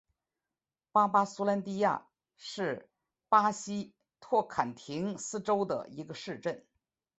巴巴苏兰迪亚是巴西托坎廷斯州的一个市镇。